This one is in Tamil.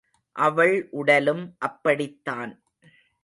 அவள் உடலும் அப்படித் தான்.